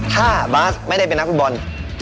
ถ้าบาสไม่ได้เป็นนักฟุตบอล